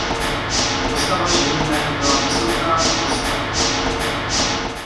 Postava ženy té byla vysoká, kostnatá.